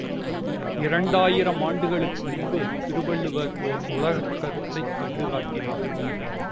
இரண்டாயிரம் ஆண்டுகளுக்கு முன்பு திருவள்ளுவர் ஓர் உலகக் கருத்தைக் கண்டு காட்டினார்.